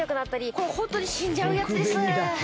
これ本当に死んじゃうやつです。